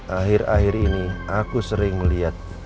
akhir akhir ini aku sering melihat